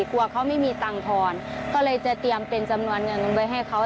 กลัวเขาไม่มีตังค์ทอนก็เลยจะเตรียมเป็นจำนวนเงินไว้ให้เขา